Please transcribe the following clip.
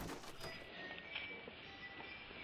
Kwa hali zote umenijulisha